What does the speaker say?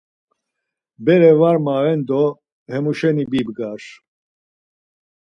Bere var maven do hemuşeni bibgar.